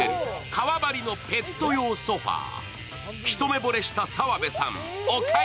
革張りのペット用ソファー。